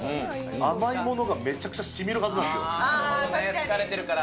甘いものがめちゃくちゃしみるは疲れてるから。